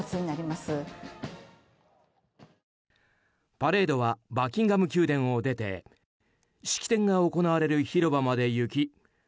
パレードはバッキンガム宮殿を出て式典が行われる広場まで行き